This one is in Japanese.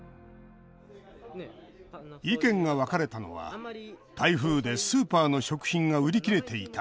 意見が分かれたのは「台風でスーパーの食品が売り切れていた。